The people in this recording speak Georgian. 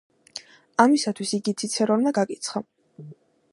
ამისათვის იგი ციცერონმა გაკიცხა.